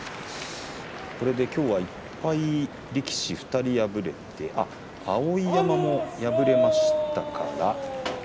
これで、きょうは１敗力士２人敗れて全勝の碧山も敗れましたから。